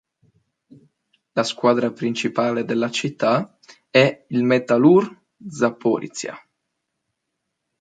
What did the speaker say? La squadra principale della città è il Metalurh Zaporižžja.